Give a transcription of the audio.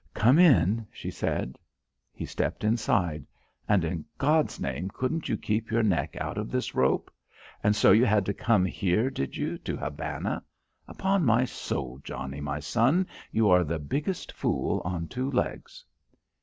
"Come in," she said. He stepped inside. "And in God's name couldn't you keep your neck out of this rope? And so you had to come here, did you to Havana? Upon my soul, Johnnie, my son, you are the biggest fool on two legs."